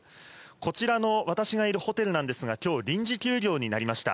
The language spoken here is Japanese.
こちらの私がいるホテルなんですが、きょう、臨時休業になりました。